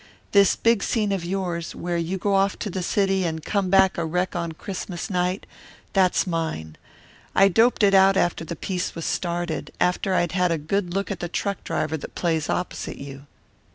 This big scene of yours, where you go off to the city and come back a wreck on Christmas night that's mine. I doped it out after the piece was started after I'd had a good look at the truck driver that plays opposite you."